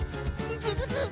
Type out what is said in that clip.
ズズズッ！